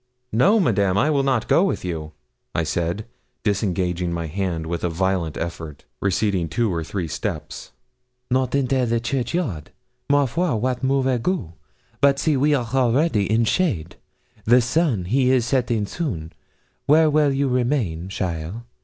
'No, Madame, I will not go with you,' I said, disengaging my hand with a violent effort, receding two or three steps. 'Not enter the churchyard! Ma foi wat mauvais goût! But see, we are already in shade. The sun he is setting soon where well you remain, cheaile?